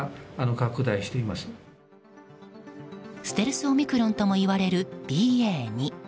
ステルスオミクロンともいわれる、ＢＡ．２。